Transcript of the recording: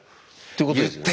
ということですよ。